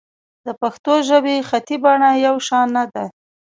د پښتو ژبې خطي بڼه یو شان نه ده.